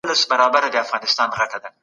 په هغه وخت کې هر ښار د ځانګړي دولت په څېر و.